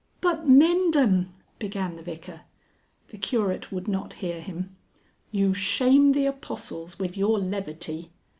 "But Mendham," began the Vicar. The Curate would not hear him. "You shame the Apostles with your levity....